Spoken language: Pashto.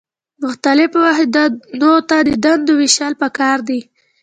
مختلفو واحدونو ته د دندو ویشل پکار دي.